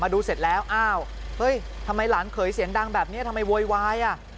ดูเสร็จแล้วอ้าวเฮ้ยทำไมหลานเขยเสียงดังแบบนี้ทำไมโวยวายอ่ะ